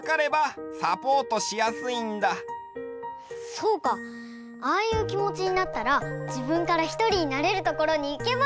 そうかああいうきもちになったらじぶんからひとりになれるところにいけばいいのかも。